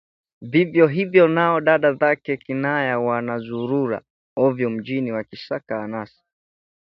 Vivyo hivyo nao dada zake Kinaya wanazurura ovyo mjini wakisaka anasa